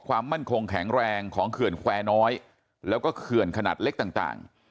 ความมั่นคงแข็งแรงของเขื่อนแควร์น้อยแล้วก็เขื่อนขนาดเล็กต่าง